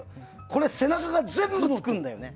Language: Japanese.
これ、背中が全部つくんだよね。